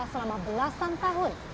selama belasan tahun